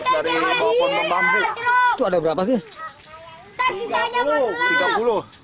itu ada berapa sih